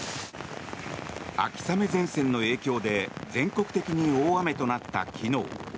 秋雨前線の影響で全国的に大雨となった昨日。